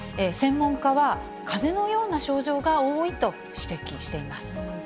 専門家は、かぜのような症状が多いと指摘しています。